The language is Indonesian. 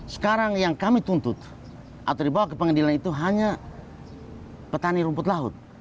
sekarang yang kami tuntut atau dibawa ke pengadilan itu hanya petani rumput laut